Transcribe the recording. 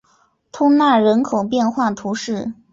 通讷人口变化图示